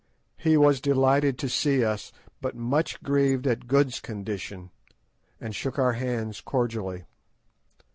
He was delighted to see us, but much grieved at Good's condition, and shook our hands cordially.